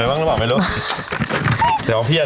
อ้ะยังเลือกไม่ถูกเลย